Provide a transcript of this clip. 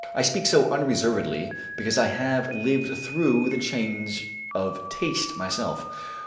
I speak so unreservedly because I have lived through the change of taste myself.